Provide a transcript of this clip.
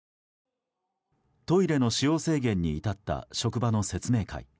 トイレの使用制限に至った職場の説明会。